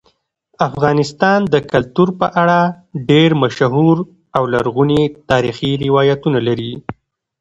افغانستان د کلتور په اړه ډېر مشهور او لرغوني تاریخی روایتونه لري.